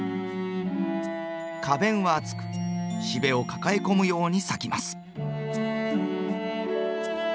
花弁は厚くしべを抱え込むように咲きます。